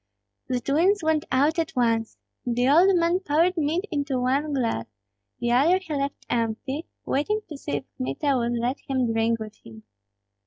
The twins went out at once. The old man poured mead into one glass; the other he left empty, waiting to see if Kmita would let him drink with him.